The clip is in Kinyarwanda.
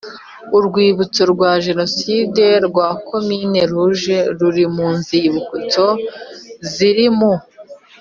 Urwibutso rwa Jenoside rwa Commune rouge ruri mu nzibutso ziri mu